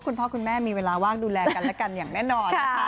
คุณพ่อคุณแม่มีเวลาว่างดูแลกันและกันอย่างแน่นอนนะคะ